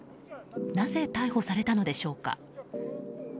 なぜ逮捕されたのでしょうか。